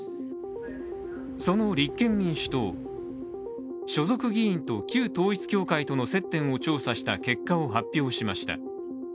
その立憲民主党、所属議員と旧統一教会との接点を調査した結果を発表しました。